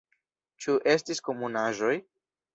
Ĉu estis komunaĵoj?